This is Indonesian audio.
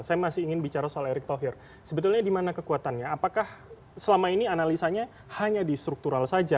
saya masih ingin bicara soal erick thohir sebetulnya di mana kekuatannya apakah selama ini analisanya hanya di struktural saja